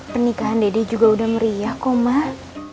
pernikahan dede juga udah meriah kok emak